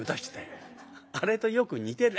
あれとよく似てる。